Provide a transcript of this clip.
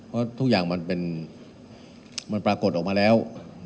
เพราะทุกอย่างมันปรากฏออกมาแล้ว